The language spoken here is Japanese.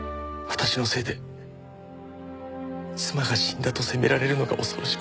私のせいで妻が死んだと責められるのが恐ろしくて。